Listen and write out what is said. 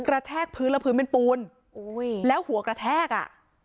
แทกพื้นแล้วพื้นเป็นปูนอุ้ยแล้วหัวกระแทกอ่ะ